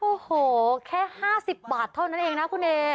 โอ้โหแค่๕๐บาทเท่านั้นเองนะคุณเอ